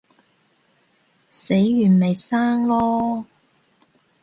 死完咪生囉